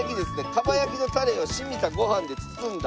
蒲焼きのタレが染みたご飯で包んだ。